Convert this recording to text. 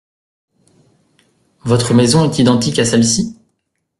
Votre maison est identique à celle-ci ?